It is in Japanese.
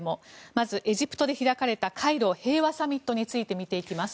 まずエジプトで開かれたカイロ平和サミットについて見ていきます。